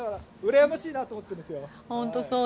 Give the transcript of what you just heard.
うらやましいなと思ってるんです。